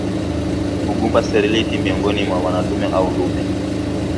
Ugumba sterility miongoni mwa madume au ndume